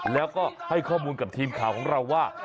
แล้วก็ให้ข้อมูลกับทีมข่าวของเราว่า